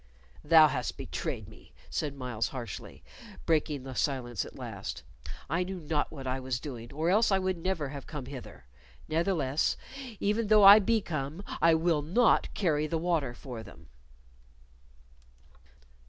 "Thou hast betrayed me," said Myles, harshly, breaking the silence at last. "I knew not what I was doing, or else I would never have come hither. Ne'theless, even though I be come, I will not carry the water for them."